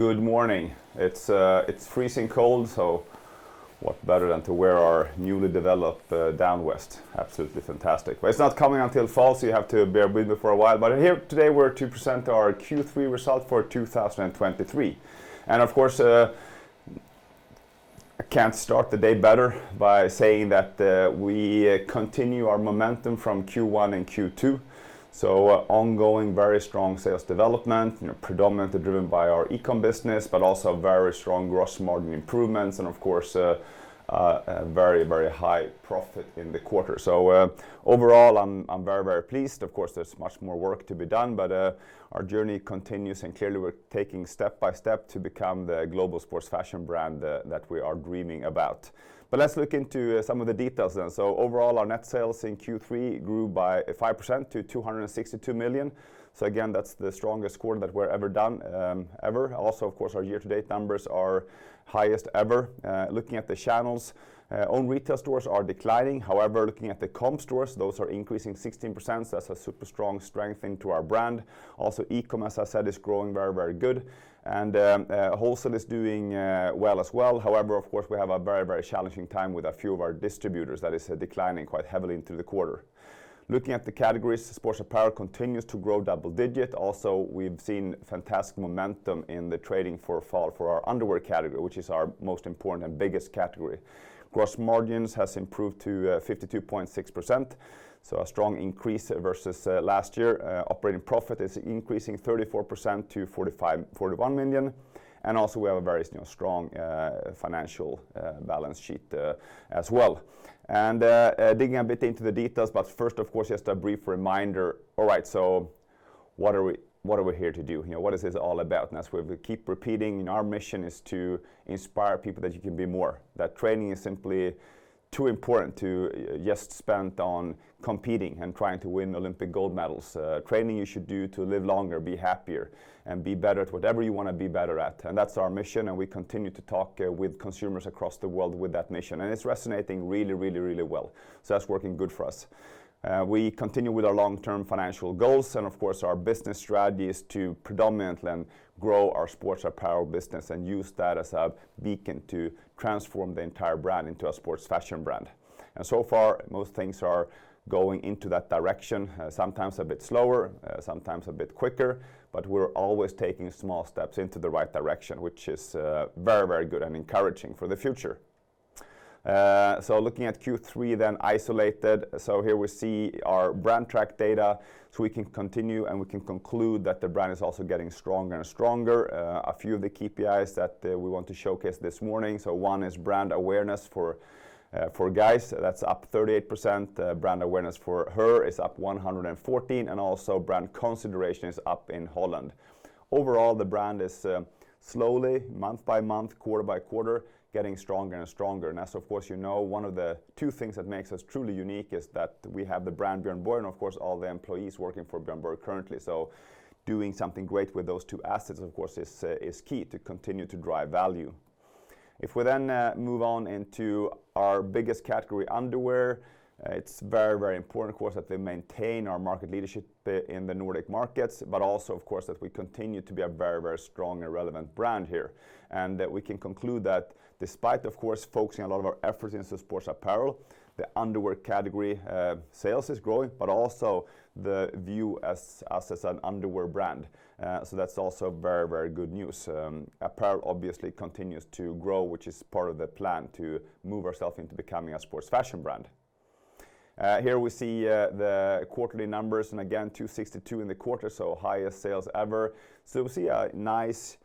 Good morning. It's freezing cold, so what better than to wear our newly developed down vest? Absolutely fantastic. But it's not coming until fall, so you have to bear with me for a while. But here today, we're to present our Q3 result for 2023. And of course, I can't start the day better by saying that we continue our momentum from Q1 and Q2. So ongoing, very strong sales development, you know, predominantly driven by our e-com business, but also very strong gross margin improvements, and of course, a very, very high profit in the quarter. So, overall, I'm very, very pleased. Of course, there's much more work to be done, but our journey continues, and clearly, we're taking step by step to become the global sports fashion brand that we are dreaming about. But let's look into some of the details then. So overall, our net sales in Q3 grew by 5% to 262 million. So again, that's the strongest quarter that we're ever done, ever. Also, of course, our year-to-date numbers are highest ever. Looking at the channels, own retail stores are declining. However, looking at the comp stores, those are increasing 16%. That's a super strong strength into our brand. Also, e-com, as I said, is growing very, very good, and wholesale is doing well as well. However, of course, we have a very, very challenging time with a few of our distributors. That is declining quite heavily into the quarter. Looking at the categories, sports apparel continues to grow double digit. Also, we've seen fantastic momentum in the trading for fall for our underwear category, which is our most important and biggest category. Gross margins has improved to 52.6%, so a strong increase versus last year. Operating profit is increasing 34% to 41 million, and also, we have a very, you know, strong financial balance sheet as well. And digging a bit into the details, but first, of course, just a brief reminder. All right, so what are we what are we here to do? You know, what is this all about? And as we keep repeating, our mission is to inspire people that you can be more, that training is simply too important to just spent on competing and trying to win Olympic gold medals. Training you should do to live longer, be happier, and be better at whatever you want to be better at. And that's our mission, and we continue to talk with consumers across the world with that mission, and it's resonating really, really, really well. So that's working good for us. We continue with our long-term financial goals, and of course, our business strategy is to predominantly grow our sports apparel business and use that as a beacon to transform the entire brand into a sports fashion brand. And so far, most things are going into that direction, sometimes a bit slower, sometimes a bit quicker, but we're always taking small steps into the right direction, which is, very, very good and encouraging for the future. So looking at Q3, then isolated. So here we see our brand track data, so we can continue, and we can conclude that the brand is also getting stronger and stronger. A few of the KPIs that we want to showcase this morning. So one is brand awareness for guys, that's up 38%. Brand awareness for her is up 114, and also brand consideration is up in Holland. Overall, the brand is slowly, month by month, quarter by quarter, getting stronger and stronger. And, as of course, you know, one of the two things that makes us truly unique is that we have the brand Björn Borg, and of course, all the employees working for Björn Borg currently. So doing something great with those two assets, of course, is key to continue to drive value. If we then move on into our biggest category, underwear, it's very, very important, of course, that we maintain our market leadership in the Nordic markets, but also, of course, that we continue to be a very, very strong and relevant brand here. And that we can conclude that despite, of course, focusing a lot of our efforts into sports apparel, the underwear category, sales is growing, but also the view as us as an underwear brand. So that's also very, very good news. Apparel obviously continues to grow, which is part of the plan to move ourself into becoming a sports fashion brand. Here we see the quarterly numbers, and again, 262 in the quarter, so highest sales ever. So we see a nice,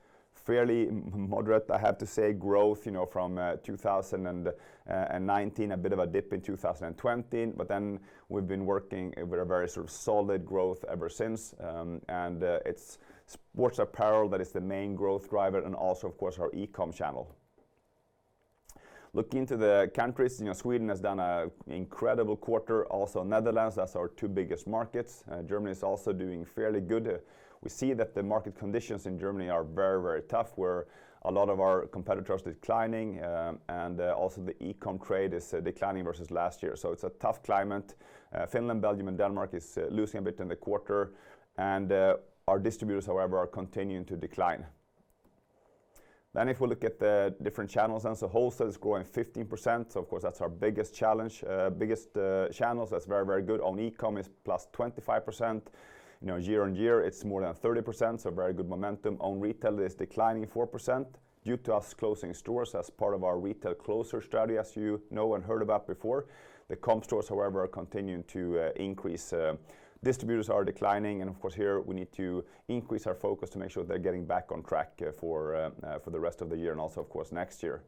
fairly moderate, I have to say, growth, you know, from 2019, a bit of a dip in 2020, but then we've been working with a very sort of solid growth ever since. And it's sports apparel that is the main growth driver and also, of course, our e-com channel. Looking into the countries, you know, Sweden has done an incredible quarter, also Netherlands. That's our two biggest markets. Germany is also doing fairly good. We see that the market conditions in Germany are very, very tough, where a lot of our competitors declining, and also the e-com trade is declining versus last year. So it's a tough climate. Finland, Belgium, and Denmark is losing a bit in the quarter, and our distributors, however, are continuing to decline. Then if we look at the different channels, and so wholesale is growing 15%. Of course, that's our biggest challenge, biggest channels. That's very, very good. On e-com, it's plus 25%. You know, year on year, it's more than 30%, so very good momentum. On retail, it's declining 4% due to us closing stores as part of our retail closure strategy, as you know and heard about before. The comp stores, however, are continuing to increase. Distributors are declining, and of course, here we need to increase our focus to make sure they're getting back on track for the rest of the year and also, of course, next year.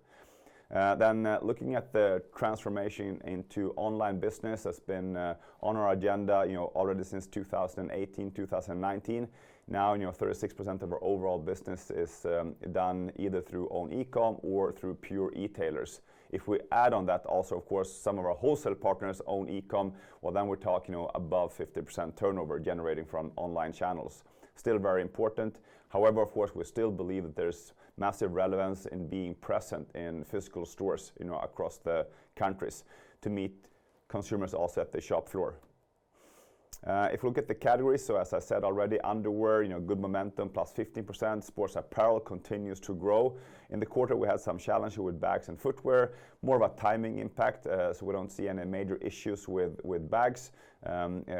Then looking at the transformation into online business, that's been on our agenda, you know, already since 2018, 2019. Now, you know, 36% of our overall business is done either through own e-com or through pure e-tailers. If we add on that also, of course, some of our wholesale partners own e-com, well, then we're talking, you know, above 50% turnover generating from online channels. Still very important. However, of course, we still believe that there's massive relevance in being present in physical stores, you know, across the countries to meet consumers also at the shop floor. If you look at the categories, so as I said already, underwear, you know, good momentum, +50%. Sports apparel continues to grow. In the quarter, we had some challenges with bags and footwear, more of a timing impact, so we don't see any major issues with, with bags.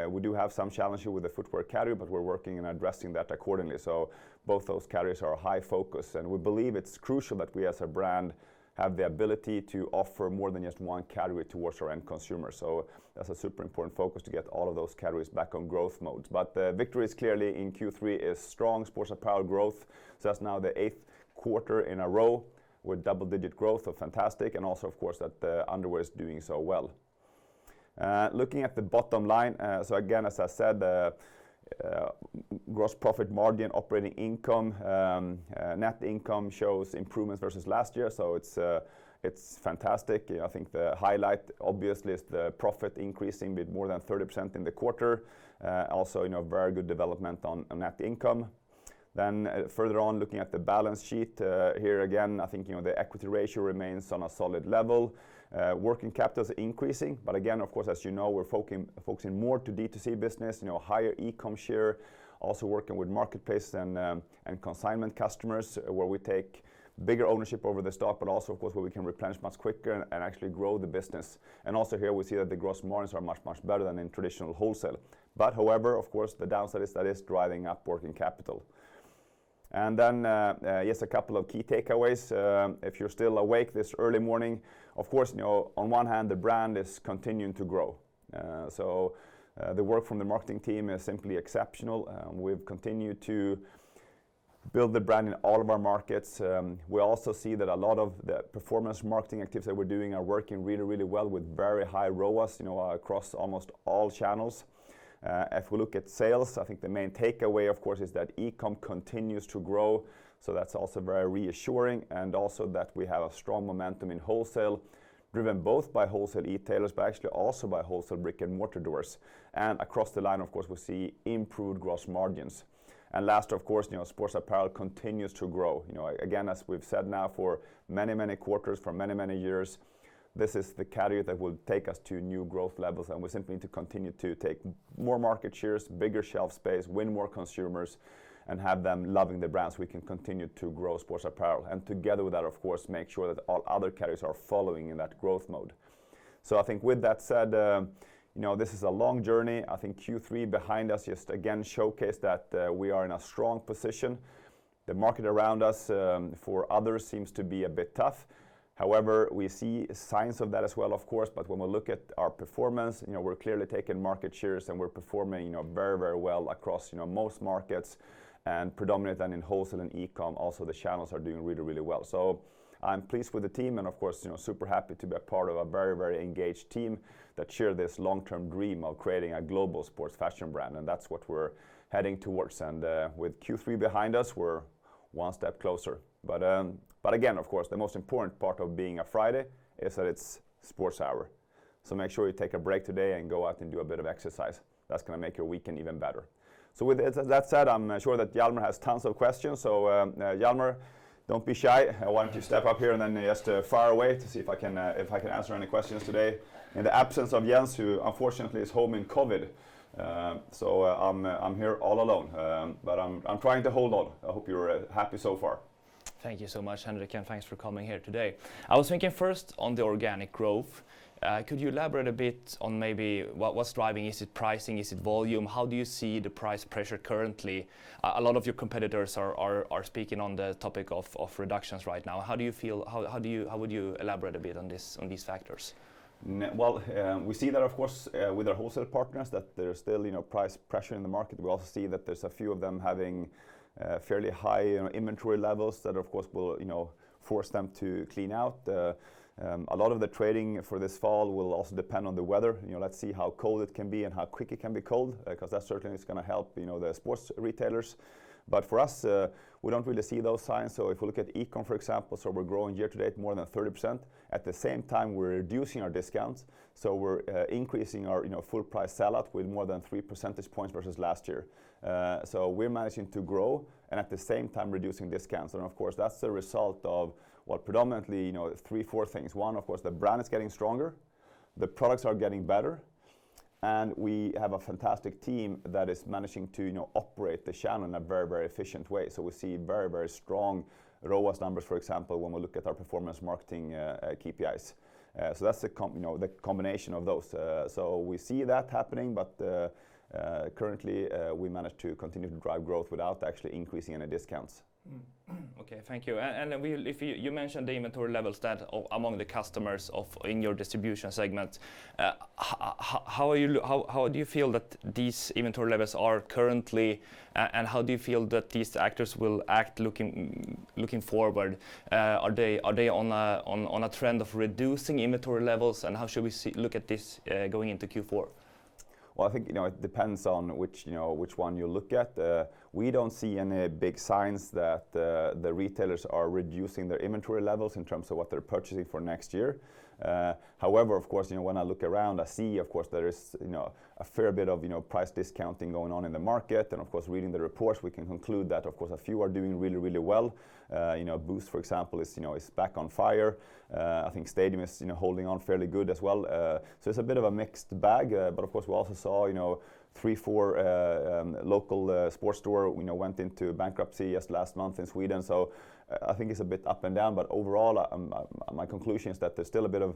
We do have some challenges with the footwear category, but we're working on addressing that accordingly. So both those categories are a high focus, and we believe it's crucial that we, as a brand, have the ability to offer more than just one category towards our end consumer. So that's a super important focus to get all of those categories back on growth mode. But, victories clearly in Q3 is strong sports apparel growth. So that's now the eighth quarter in a row with double-digit growth, so fantastic, and also, of course, that the underwear is doing so well. Looking at the bottom line, so again, as I said, the gross profit margin, operating income, net income shows improvements versus last year. So it's, it's fantastic. I think the highlight, obviously, is the profit increasing with more than 30% in the quarter. Also, you know, very good development on net income. Then further on, looking at the balance sheet, here, again, I think, you know, the equity ratio remains on a solid level. Working capital is increasing, but again, of course, as you know, we're focusing more to D2C business, you know, higher e-com share, also working with marketplace and consignment customers, where we take bigger ownership over the stock, but also, of course, where we can replenish much quicker and actually grow the business. And also here, we see that the gross margins are much, much better than in traditional wholesale. But however, of course, the downside is that it's driving up working capital. And then, just a couple of key takeaways. If you're still awake this early morning, of course, you know, on one hand, the brand is continuing to grow. The work from the marketing team is simply exceptional, and we've continued to build the brand in all of our markets. We also see that a lot of the performance marketing activities that we're doing are working really, really well with very high ROAS, you know, across almost all channels. If we look at sales, I think the main takeaway, of course, is that e-com continues to grow, so that's also very reassuring, and also that we have a strong momentum in wholesale, driven both by wholesale e-tailers, but actually also by wholesale brick-and-mortar doors. Across the line, of course, we see improved gross margins. Last, of course, you know, sports apparel continues to grow. You know, again, as we've said now for many, many quarters, for many, many years, this is the category that will take us to new growth levels, and we simply need to continue to take more market shares, bigger shelf space, win more consumers, and have them loving the brand, so we can continue to grow sports apparel. And together with that, of course, make sure that all other categories are following in that growth mode. So I think with that said, you know, this is a long journey. I think Q3 behind us just again showcased that we are in a strong position. The market around us, for others, seems to be a bit tough. However, we see signs of that as well, of course, but when we look at our performance, you know, we're clearly taking market shares, and we're performing, you know, very, very well across, you know, most markets and predominantly in wholesale and e-com. Also, the channels are doing really, really well. So I'm pleased with the team and, of course, you know, super happy to be a part of a very, very engaged team that share this long-term dream of creating a global sports fashion brand, and that's what we're heading towards. And with Q3 behind us, we're one step closer. But again, of course, the most important part of being a Friday is that it's Sports Hour. So make sure you take a break today and go out and do a bit of exercise. That's gonna make your weekend even better. So with that said, I'm sure that Elmer has tons of questions. So, Hjalmar, don't be shy. I want you to step up here, and then just fire away to see if I can answer any questions today. In the absence of Jens, who unfortunately is home with COVID, so I'm here all alone, but I'm trying to hold on. I hope you're happy so far. Thank you so much, Henrik, and thanks for coming here today. I was thinking first on the organic growth, could you elaborate a bit on maybe what, what's driving? Is it pricing? Is it volume? How do you see the price pressure currently? A lot of your competitors are speaking on the topic of reductions right now. How do you feel How would you elaborate a bit on this on these factors? Well, we see that, of course, with our wholesale partners, that there's still, you know, price pressure in the market. We also see that there's a few of them having fairly high, you know, inventory levels that, of course, will, you know, force them to clean out. A lot of the trading for this fall will also depend on the weather. You know, let's see how cold it can be and how quick it can be cold, 'cause that certainly is gonna help, you know, the sports retailers. But for us, we don't really see those signs. So if we look at e-com, for example, so we're growing year to date more than 30%. At the same time, we're reducing our discounts, so we're increasing our, you know, full price sell out with more than three percentage points versus last year. So we're managing to grow and at the same time reducing discounts. And of course, that's the result of what predominantly, you know, three, four things. One, of course, the brand is getting stronger, the products are getting better, and we have a fantastic team that is managing to, you know, operate the channel in a very, very efficient way. So we see very, very strong ROAS numbers, for example, when we look at our performance marketing KPIs. So that's the combination of those. So we see that happening, but currently, we manage to continue to drive growth without actually increasing any discounts. Okay, thank you. If you you mentioned the inventory levels that, among the customers in your distribution segment, how do you feel that these inventory levels are currently, and how do you feel that these actors will act looking forward? Are they on a trend of reducing inventory levels, and how should we look at this going into Q4? Well, I think, you know, it depends on which, you know, which one you look at. We don't see any big signs that the retailers are reducing their inventory levels in terms of what they're purchasing for next year. However, of course, you know, when I look around, I see, of course, there is, you know, a fair bit of, you know, price discounting going on in the market. And of course, reading the reports, we can conclude that, of course, a few are doing really, really well. You know, Boozt, for example, is, you know, is back on fire. I think Stadium is, you know, holding on fairly good as well. So it's a bit of a mixed bag, but of course, we also saw, you know, three, four local sports store, you know, went into bankruptcy just last month in Sweden. So I think it's a bit up and down, but overall, my conclusion is that there's still a bit of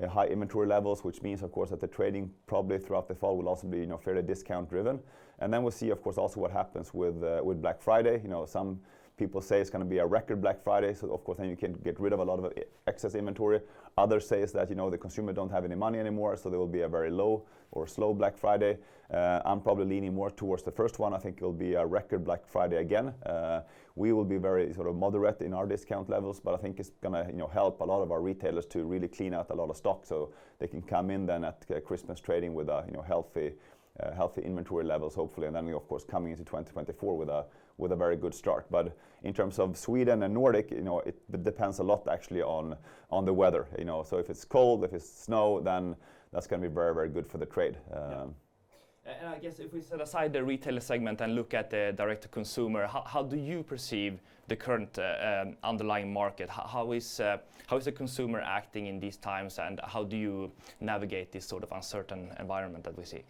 a high inventory levels, which means, of course, that the trading probably throughout the fall will also be, you know, fairly discount-driven. And then we'll see, of course, also what happens with Black Friday. You know, some people say it's gonna be a record Black Friday, so of course, then you can get rid of a lot of excess inventory. Others say is that, you know, the consumer don't have any money anymore, so there will be a very low or slow Black Friday. I'm probably leaning more towards the first one. I think it'll be a record Black Friday again. We will be very sort of moderate in our discount levels, but I think it's gonna, you know, help a lot of our retailers to really clean out a lot of stock, so they can come in then at Christmas trading with a, you know, healthy, healthy inventory levels, hopefully, and then, of course, coming into 2024 with a, with a very good start. But in terms of Sweden and Nordic, you know, it depends a lot actually on, on the weather, you know? So if it's cold, if it's snow, then that's gonna be very, very good for the trade. Yeah. And I guess if we set aside the retailer segment and look at the direct-to-consumer, how do you perceive the current underlying market? How is the consumer acting in these times, and how do you navigate this sort of uncertain environment that we see?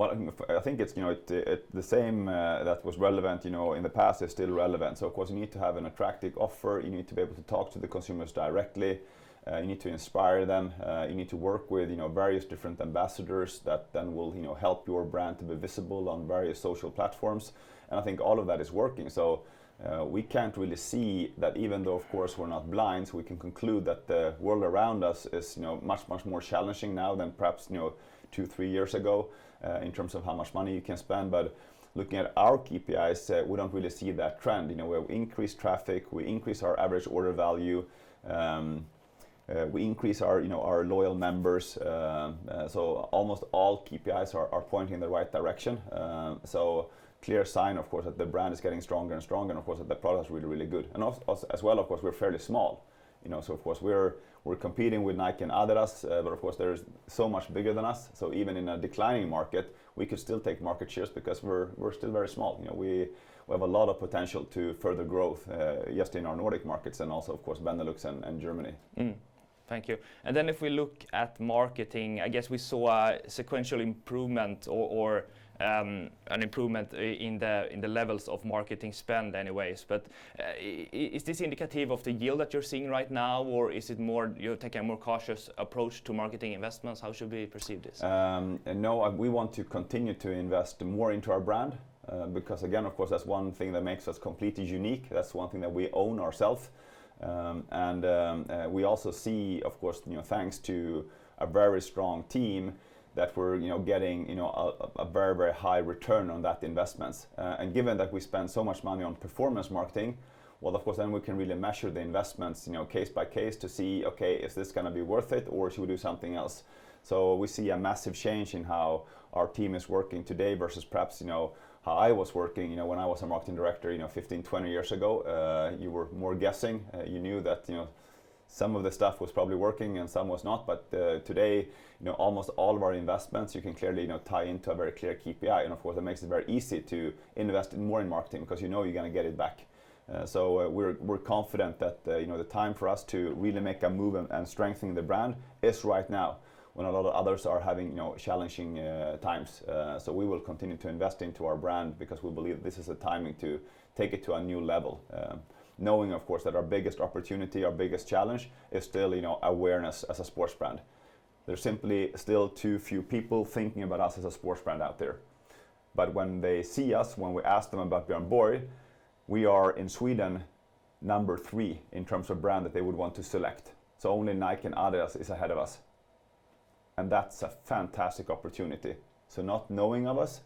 I think it's, you know, the same that was relevant, you know, in the past is still relevant. So of course, you need to have an attractive offer. You need to be able to talk to the consumers directly. You need to inspire them. You need to work with, you know, various different ambassadors that then will, you know, help your brand to be visible on various social platforms, and I think all of that is working. So, we can't really see that even though, of course, we're not blind, so we can conclude that the world around us is, you know, much, much more challenging now than perhaps, you know, two, three years ago, in terms of how much money you can spend. But looking at our KPIs, we don't really see that trend. You know, we have increased traffic. We increased our average order value. We increase our, you know, our loyal members. So almost all KPIs are pointing in the right direction. So clear sign, of course, that the brand is getting stronger and stronger, and of course, that the product is really, really good. And as well, of course, we're fairly small, you know, so of course, we're competing with Nike and Adidas, but of course, they're so much bigger than us. So even in a declining market, we can still take market shares because we're still very small. You know, we have a lot of potential to further growth just in our Nordic markets and also, of course, Benelux and Germany. Mm. Thank you. And then if we look at marketing, I guess we saw a sequential improvement or an improvement in the levels of marketing spend anyways. But is this indicative of the yield that you're seeing right now, or is it more you're taking a more cautious approach to marketing investments? How should we perceive this? No, we want to continue to invest more into our brand, because again, of course, that's one thing that makes us completely unique. That's one thing that we own ourselves. And we also see, of course, you know, thanks to a very strong team, that we're, you know, getting, you know, a very, very high return on those investments. And given that we spend so much money on performance marketing, well, of course, then we can really measure the investments, you know, case by case to see, okay, is this gonna be worth it, or should we do something else? So we see a massive change in how our team is working today versus perhaps, you know, how I was working, you know, when I was a marketing director, you know, 15, 20 years ago. You were more guessing. You knew that, you know, some of the stuff was probably working and some was not, but today, you know, almost all of our investments, you can clearly, you know, tie into a very clear KPI, and of course, it makes it very easy to invest more in marketing because you know you're gonna get it back. We're, we're confident that, you know, the time for us to really make a move and strengthening the brand is right now, when a lot of others are having, you know, challenging times. We will continue to invest into our brand because we believe this is a timing to take it to a new level, knowing, of course, that our biggest opportunity, our biggest challenge, is still, you know, awareness as a sports brand. There's simply still too few people thinking about us as a sports brand out there. But when they see us, when we ask them about Björn Borg, we are, in Sweden, number three in terms of brand that they would want to select, so only Nike and Adidas is ahead of us, and that's a fantastic opportunity. So not knowing of us,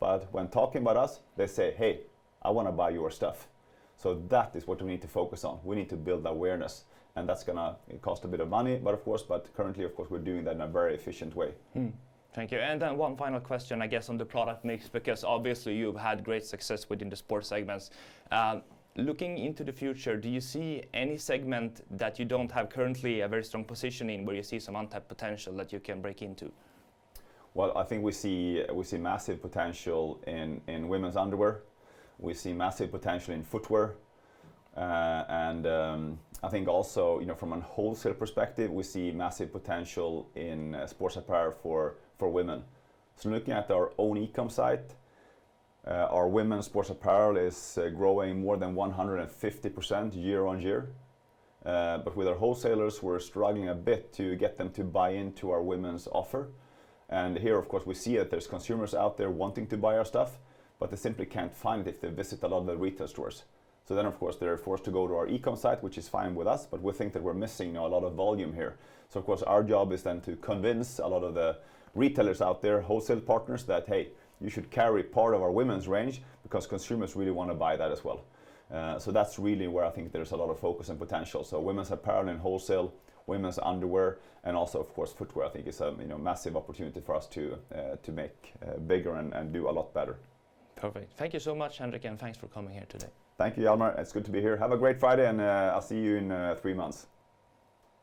but when talking about us, they say, "Hey, I wanna buy your stuff." So that is what we need to focus on. We need to build awareness, and that's gonna cost a bit of money, but of course but currently, of course, we're doing that in a very efficient way. Thank you. And then one final question, I guess, on the product mix, because obviously, you've had great success within the sports segments. Looking into the future, do you see any segment that you don't have currently a very strong positioning, where you see some untapped potential that you can break into? Well, I think we see, we see massive potential in, in women's underwear. We see massive potential in footwear. And, I think also, you know, from a wholesale perspective, we see massive potential in sports apparel for, for women. So looking at our own e-com site, our women's sports apparel is growing more than 150% year-over-year. But with our wholesalers, we're struggling a bit to get them to buy into our women's offer, and here, of course, we see that there's consumers out there wanting to buy our stuff, but they simply can't find it if they visit a lot of the retail stores. So then, of course, they're forced to go to our e-com site, which is fine with us, but we think that we're missing a lot of volume here. So of course, our job is then to convince a lot of the retailers out there, wholesale partners, that, "Hey, you should carry part of our women's range because consumers really wanna buy that as well." So that's really where I think there's a lot of focus and potential. So women's apparel and wholesale, women's underwear, and also, of course, footwear, I think is a, you know, massive opportunity for us to make bigger and do a lot better. Perfect. Thank you so much, Henrik, and thanks for coming here today. Thank you, Elmer. It's good to be here. Have a great Friday, and, I'll see you in, three months.